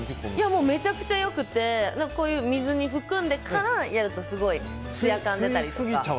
めちゃくちゃ良くて水に含んでからやるとすごいツヤ感が出たりとか。